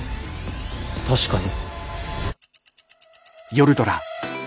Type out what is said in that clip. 確かに。